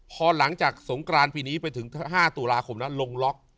พอหลังจากสงกรานปีนี้ไปถึง๕ตุลาคมนั้นลงล็อก